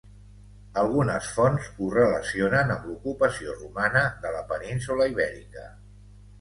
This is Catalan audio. Algunes fonts ho relacionen amb l'ocupació romana de la península Ibèrica.